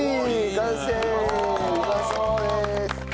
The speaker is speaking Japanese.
うまそうです。